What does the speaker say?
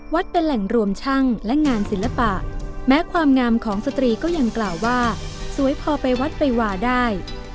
เป็นแหล่งรวมช่างและงานศิลปะแม้ความงามของสตรีก็ยังกล่าวว่าสวยพอไปวัดไปวาได้